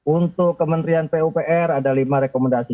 untuk kementerian pupr ada lima rekomendasi